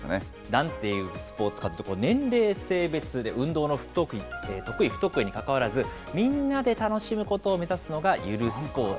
なんていうスポーツかって、年齢、性別、運動の得意、不得意にかかわらず、みんなで楽しむことを目指すのがゆるスポーツ。